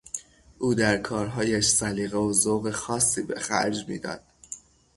او در کارهایش سیلقه و ذوق خاصی به خرج میداد.